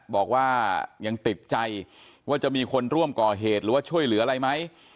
บอกว่ายังติดใจว่าจะมีคนร่วมก่อเหตุหรือว่าช่วยเหลืออะไรไหม